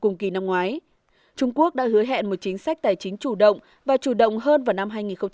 trong kỳ năm ngoái trung quốc đã hứa hẹn một chính sách tài chính chủ động và chủ động hơn vào năm hai nghìn một mươi bảy